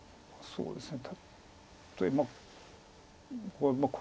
そうですね